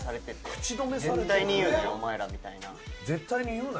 お前らみたいな。